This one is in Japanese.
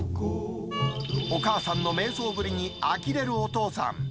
お母さんの迷走ぶりに、あきれるお父さん。